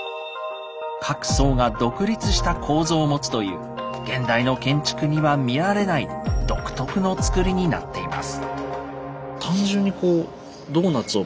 各層が独立した構造を持つという現代の建築には見られない独特のつくりになっています。